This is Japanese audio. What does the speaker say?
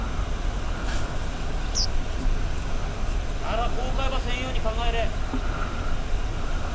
なら後悔ばせんように考えれ。